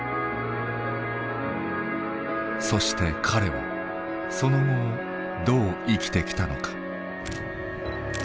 そして彼はその後をどう生きてきたのか。